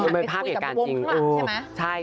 หันไปคุยกับประวงศ์ขึ้นมาใช่ไหม